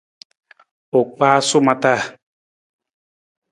U kpaasu ma taa.